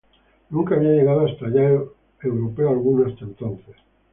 Nunca había llegado hasta allá europeo alguno hasta entonces.